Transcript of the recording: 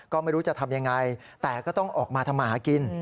ก็ไม่รู้จะทำยังไงแต่ก็ต้องออกมาทำมาหากิน